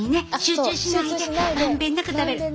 集中しないでまんべんなく食べる。